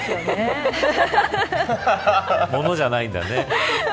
物じゃないんだね。